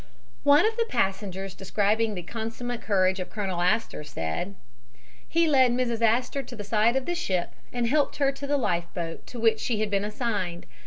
One of the passengers describing the consummate courage of Colonel Astor said: "He led Mrs. Astor to the side of the ship and helped her to the life boat to which she had been assigned.